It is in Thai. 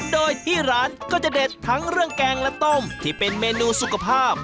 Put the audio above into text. โดยที่ร้านก็จะเด็ดทั้งเรื่องแกงและต้มที่เป็นเมนูสุขภาพ